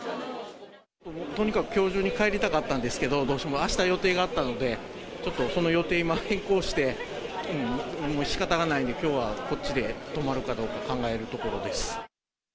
とにかくきょう中に帰りたかったんですけど、どうしてもあした予定があったので、ちょっとその予定、今、変更して、もうしかたがないんで、きょうはこっちで泊まるかどうか、考えるところです。